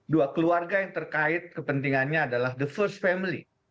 dua keluarga yang terkait kepentingannya adalah the first family